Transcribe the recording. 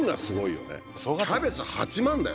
すごい。